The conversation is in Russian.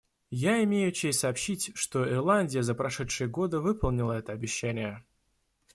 Я имею честь сообщить, что Ирландия за прошедшие годы выполнила это обещание.